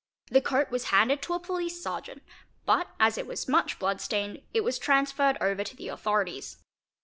The coat was handed to a police sergeant, but as it was much blood stained it was transferred over to the authorities.